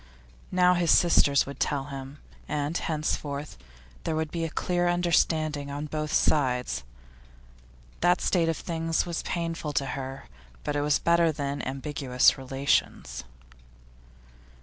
Now his sisters would tell him, and henceforth there would be a clear understanding on both sides. That state of things was painful to her, but it was better than ambiguous relations.